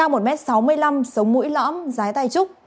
mũi lõm dài tai trúc